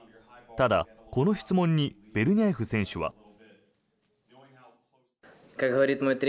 ただ、この質問にベルニャエフ選手は。